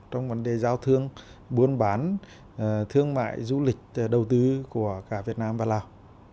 trong vấn đề giao thương buôn bán thương mại du lịch đầu tư của cả việt nam và lào